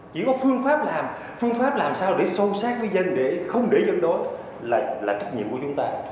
chỉ có phương pháp làm phương pháp làm sao để sâu sát với dân để không để dân đối là trách nhiệm của chúng ta